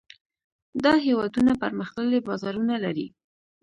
دا هېوادونه پرمختللي بازارونه لري.